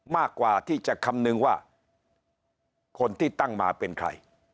มากกว่าที่จะคำนึงว่าคนที่ตั้งมาเป็นใคร